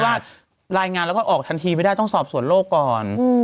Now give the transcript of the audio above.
ว่ารายงานแล้วก็ออกทันทีไม่ได้ต้องสอบสวนโลกก่อน